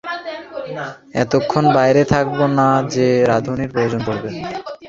অতোক্ষণ বাইরে থাকবো না যে রাঁধুনির প্রয়োজন পড়বে।